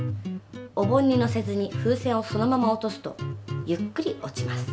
お盆にのせずに風船をそのまま落とすとゆっくり落ちます。